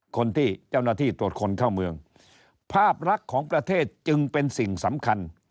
คนที่เจ้าหน้าที่ตรวจคนเข้าเมืองภาพลักษณ์ของประเทศจึงเป็นสิ่งสำคัญ